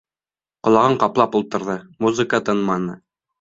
Ҡолағын ҡаплап ултырҙы, музыка тынманы.